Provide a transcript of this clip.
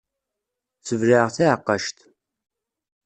Sbelɛeɣ taɛeqqact.